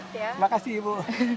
terima kasih ibu